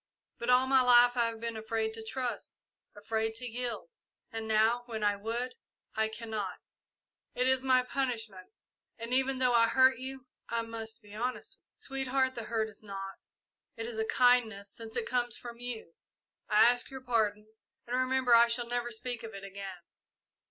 But all my life I have been afraid to trust, afraid to yield, and now, when I would, I cannot. It is my punishment, and even though I hurt you, I must be honest with you." "Sweetheart, the hurt is naught it is a kindness since it comes from you. I ask your pardon, and remember I shall never speak of it again.